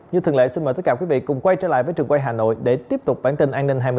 như thường lệ xin mời tất cả quý vị cùng quay trở lại với trường quay hà nội để tiếp tục bản tin an ninh hai mươi bốn h